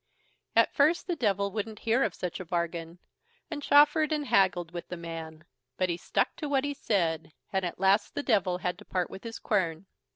At first the Devil wouldn't hear of such a bargain, and chaffered and haggled with the man; but he stuck to what he said, and at last the Devil had to part with his quern.